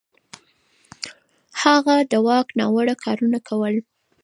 هغه د واک ناوړه کارونه نه کول.